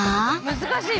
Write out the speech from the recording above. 難しい！